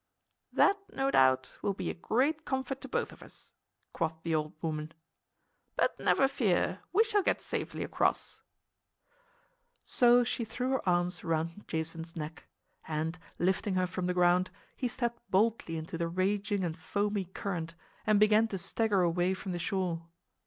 "That, no doubt, will be a great comfort to both of us," quoth the old woman. "But never fear! We shall get safely across." So she threw her arms around Jason's neck; and, lifting her from the ground, he stepped boldly into the raging and foamy current, and began to stagger away from the shore.